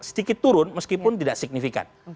sedikit turun meskipun tidak signifikan